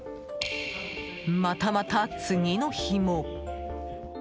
またまた次の日も。